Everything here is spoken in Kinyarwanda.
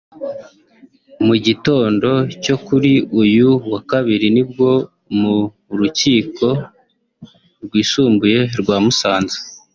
Mu gitondo cyo kuri uyu wa Kabiri nibwo mu Rukiko rwisumbuye rwa Musanze